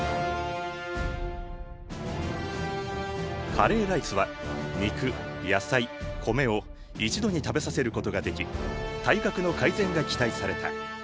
カレーライスは肉野菜米を一度に食べさせることができ体格の改善が期待された。